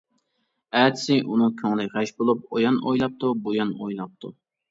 ئەتىسى ئۇنىڭ كۆڭلى غەش بولۇپ، ئۇيان ئويلاپتۇ، بۇيان ئويلاپتۇ.